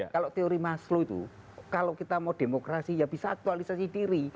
kalau teori maslu itu kalau kita mau demokrasi ya bisa aktualisasi diri